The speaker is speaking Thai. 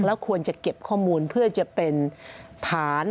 แล้วควรจะเก็บข้อมูลเพื่อจะเป็นฐาน